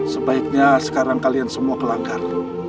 sebaiknya sekarang kalian semua ke langgar